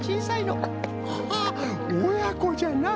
ハハおやこじゃな。